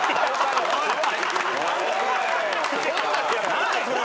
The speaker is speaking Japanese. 何だそれ！